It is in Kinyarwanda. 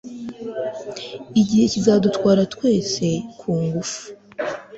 igihe kizadutwara twese ku ngufu